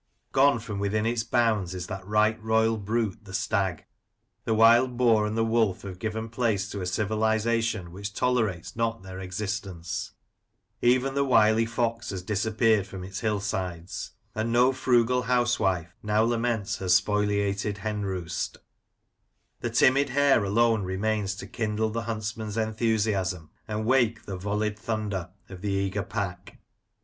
Gone from within its bounds is that right royal brute, the stag; the wild boar and the wolf have given place to a civilization which tolerates not their existence ; even the wily fox has disappeared from its hill sides, and no frugal housewife now laments her spoliated hen roost The timid hare alone remains to kindle the huntsman's enthusiasm, and wake the "volleyed thunder" of the eager pack.